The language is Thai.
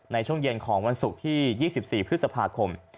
ในช่วงเย็นของวันศุกร์ที่๒๔พฤษภาคม